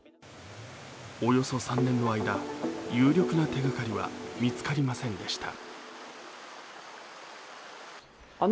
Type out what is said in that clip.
およそ３年の間、有力な手がかりは見つかりませんでした。